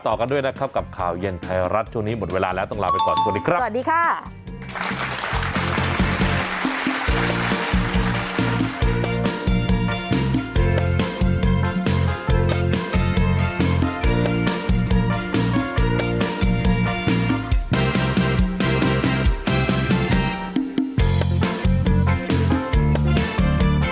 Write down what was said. ต่อกันด้วยนะครับกับข่าวเย็นไทยรัฐช่วงนี้หมดเวลาแล้วต้องลาไปก่อนสวัสดีครับสวัสดีค่ะ